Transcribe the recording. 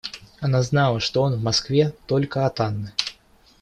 Она знала, что он в Москве, только от Анны.